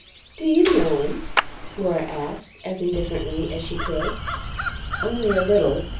"Do you know him?" Laura asked, as indifferently as she could. "Only a little.